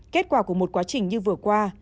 kết quả của một quá trình như vừa qua